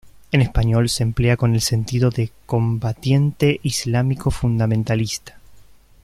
En español se emplea con el sentido de ‘combatiente islámico fundamentalista’.